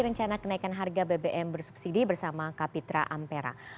rencana kenaikan harga bbm bersubsidi bersama kapitra ampera